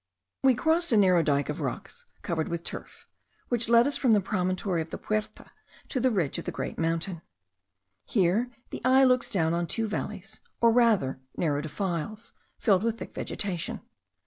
We crossed a narrow dyke of rocks covered with turf; which led us from the promontory of the Puerta to the ridge of the great mountain. Here the eye looks down on two valleys, or rather narrow defiles, filled with thick vegetation.